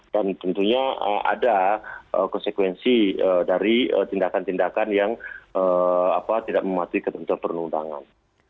dan tentunya ada konsekuensi dari tindakan tindakan yang tidak mematuhi ketentuan perundangan